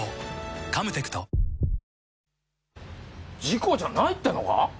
事故じゃないってのか？